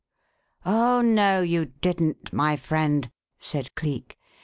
"Oh, no, you didn't, my friend," said Cleek.